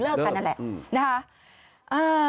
เลิกกันนั่นแหละ